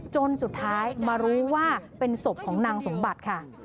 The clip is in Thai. จนสุดท้ายมารู้ว่าเป็นศพของนางสมบัติค่ะ